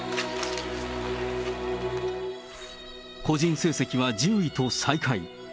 個人成績は１０位と最下位。